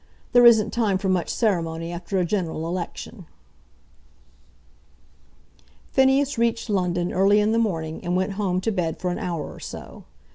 There isn't time for much ceremony after a general election." Phineas reached London early in the morning, and went home to bed for an hour or so.